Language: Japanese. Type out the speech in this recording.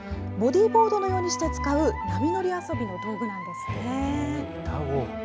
ボディーボードのようにして使う波乗り遊びの道具なんですね。